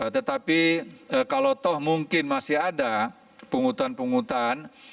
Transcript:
tetapi kalau toh mungkin masih ada penghutang penghutan